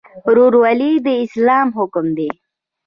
ورورولي د اسلام حکم دی